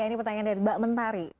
ini pertanyaan dari mbak mentari